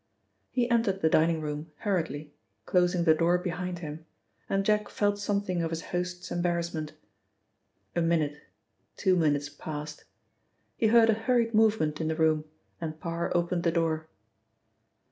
He entered the dining room hurriedly, closing the door behind him, and Jack felt something of his host's embarrassment. A minute, two minutes passed. He heard a hurried movement in the room, and Parr opened the door.